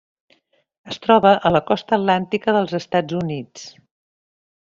Es troba a la costa atlàntica dels Estats Units.